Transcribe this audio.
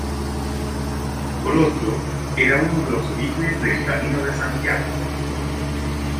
Por otro, era uno de los orígenes del Camino de Santiago.